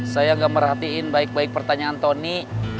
saya gak merhatiin baik baik pertanyaan tony